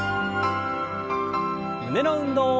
胸の運動。